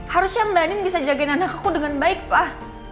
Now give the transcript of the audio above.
harusnya mbak nin bisa jagain anak aku dengan baik pak